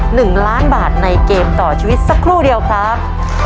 หนึ่งล้านบาทในเกมต่อชีวิตสักครู่เดียวครับ